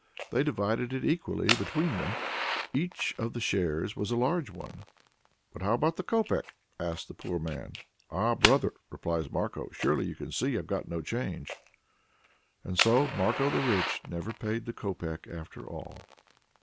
They divided it equally between them: each of the shares was a large one. "But how about the copeck?" asks the poor man. "Ah, brother!" replies Marko, "surely you can see I've got no change!" And so Marko the Rich never paid the copeck after all.